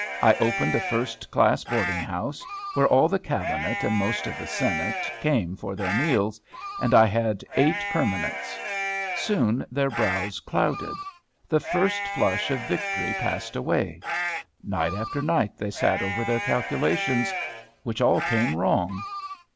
I opened a first class boarding house, where all the Cabinet, and most of the Senate, came for their meals; and I had eight permanents. Soon their brows clouded. The first flush of victory passed away. Night after night, they sat over their calculations, which all came wrong.